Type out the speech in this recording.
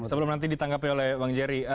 sebelum nanti ditanggapi oleh bang jerry